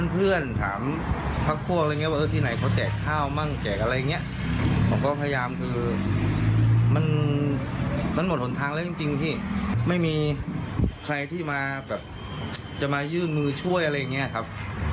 ผมก็พยายามคือมันหมดหนทางแล้วจริงพี่ไม่มีใครที่จะมายื่นมือช่วยอะไรอย่างนี้ครับ